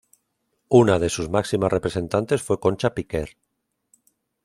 Una de sus máximas representantes fue Concha Piquer.